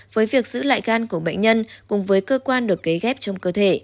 với việc giữ lại gan của bệnh nhân cùng với cơ quan được cấy ghép trong cơ thể